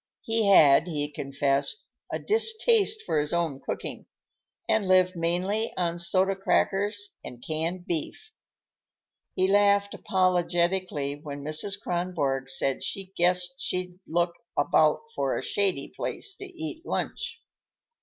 He had, he confessed, a distaste for his own cooking, and lived mainly on soda crackers and canned beef. He laughed apologetically when Mrs. Kronborg said she guessed she'd look about for a shady place to eat lunch.